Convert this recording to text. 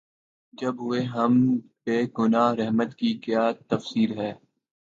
جب ہوئے ہم بے گنہ‘ رحمت کی کیا تفصیر ہے؟